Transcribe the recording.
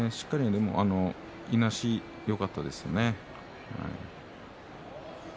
いなし、よかったですね。